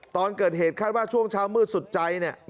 ตอนเกิดเหตุคาดว่าช่วงเช้ามืดสุดใจเนี่ย